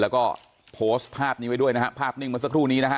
แล้วก็โพสต์ภาพนี้ไว้ด้วยนะฮะภาพนิ่งมาสักครู่นี้นะฮะ